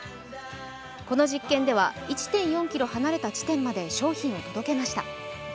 この実験では１．４ｋｍ離れた地点まで商品を届けました。